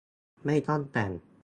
ไม่ต้องแต่ง